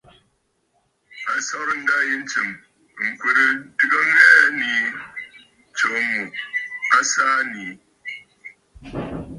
A sɔrə̀ ǹdâ yì ntsɨ̀m ŋ̀kwerə ntɨgə ŋghɛɛ nii tso ŋù a saa nii.